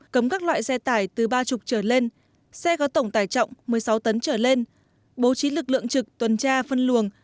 cấm các loại xe tải từ ba mươi trở lên xe có tổng tải trọng một mươi sáu tấn trở lên bố trí lực lượng trực tuần tra phân luồng